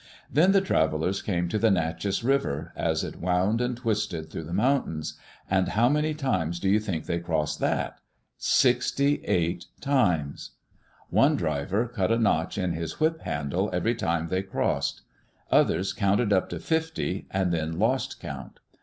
Then the travelers came to the Nachess River, as it wound and twisted through the mountains — and how many times do you think they crossed that? Sixty eight Digitized by CjOOQ IC THROUGH THE NACHESS PASS times. One driver cut a notch in his whip handle every time they crossed. Others counted up to fifty and then lost count.